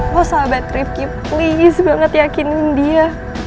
wah sahabat rifqi please banget yakinin dia